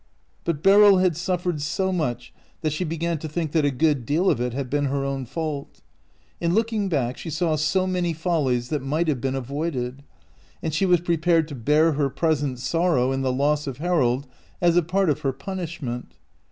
But Beryl had suffered so much that she began to think that a good deal of it had been her own fault. In look ing back she saw so many follies that might have been avoided, and she was prepared to bear her present sorrow in the loss of Harold as a part of her punishment.